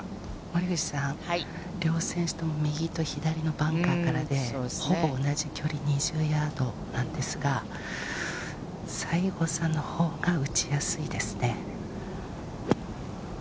森口さん、両選手とも右と左のバンカーからで、ほぼ同じ距離、２０ヤードなんですが、西郷さんのほうが打ちやすいですね。